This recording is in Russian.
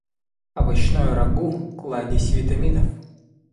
Овощное рагу - кладезь витаминов.